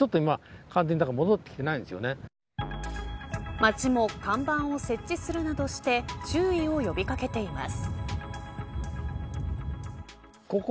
街も看板を設置するなどして注意を呼び掛けています。